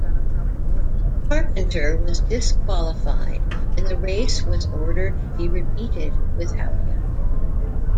Carpenter was disqualified and the race was ordered to be repeated without him.